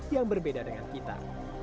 yang berbeda dengan kita